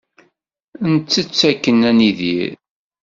Nettett akken ad nidir.